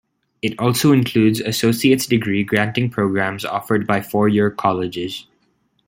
It also includes Associate's degree-granting programs offered by four-year colleges.